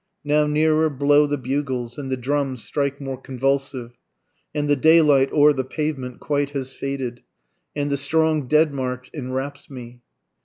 Now nearer blow the bugles, And the drums strike more convulsive, And the daylight o'er the pavement quite has faded, And the strong dead march enwraps me.